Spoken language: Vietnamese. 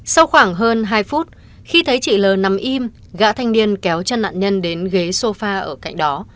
sau khoảng hơn hai phút khi thấy chị l nằm im gã thanh niên kéo chân nạn nhân đến ghế sofa ở cạnh đó